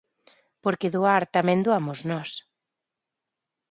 Porque doar tamén doamos nós.